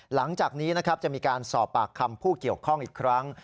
หลังจากนี้นะครับจะมีการสอบปากคำผู้เกี่ยวข้องอีกครั้ง